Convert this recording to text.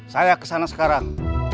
saya kesana sekarang